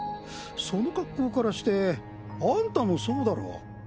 その恰好からしてアンタもそうだろ？